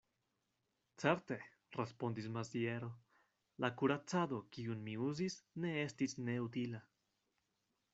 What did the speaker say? Certe, respondis Maziero, la kuracado, kiun mi uzis, ne estis neutila.